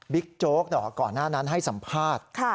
โจ๊กก่อนหน้านั้นให้สัมภาษณ์